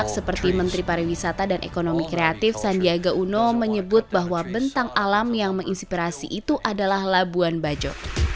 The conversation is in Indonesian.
seperti menteri pariwisata dan ekonomi kreatif sandiaga uno menyebut bahwa bentang alam yang menginspirasi itu adalah labuan bajo